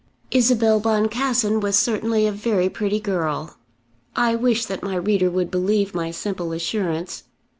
Isabel Boncassen was certainly a very pretty girl. I wish that my reader would believe my simple assurance.